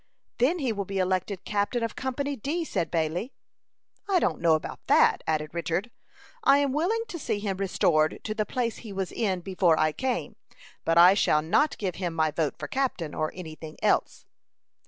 "Then he will be elected captain of Company D," said Bailey. "I don't know about that," added Richard. "I am willing to see him restored to the place he was in before I came, but I shall not give him my vote for captain, or any thing else."